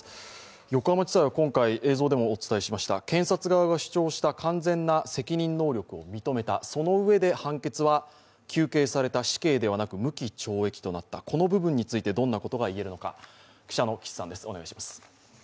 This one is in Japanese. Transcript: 横浜地裁は今回、検察側が主張した完全な責任能力を認めたそのうえで判決は求刑された死刑ではなく、無期懲役となったこの部分についてどんなことがいえるのか。